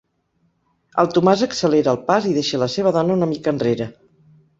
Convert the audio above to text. El Tomàs accelera el pas i deixa la seva dona una mica enrere.